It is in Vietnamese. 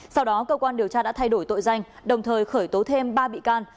sau đó cơ quan điều tra đã thay đổi tội danh đồng thời khởi tố thêm ba bị can